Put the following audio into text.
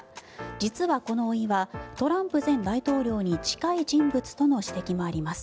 実は、このおいはトランプ前大統領に近い人物との指摘もあります。